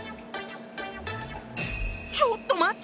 ちょっと待って。